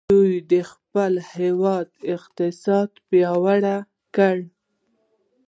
دوی د خپل هیواد اقتصاد پیاوړی کړ.